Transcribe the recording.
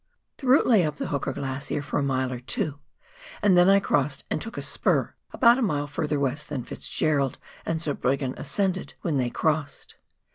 The route lay up the Hooker Glacier for a mile or two, and then I crossed, and took a spur about a mile further west than Fitzgerald and Zurbriggen ascended when they crossed.